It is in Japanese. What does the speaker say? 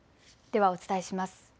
ではお伝えします。